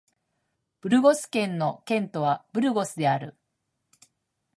ブルゴス県の県都はブルゴスである